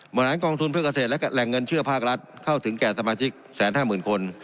วันนั้นกองทุนเพื่อเกษตรและแหล่งเงินเชื่อภาครัฐเข้าถึงแก่สมาชิก๑๕๐๐๐คน